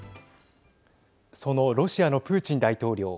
そのロシアのプーチン大統領。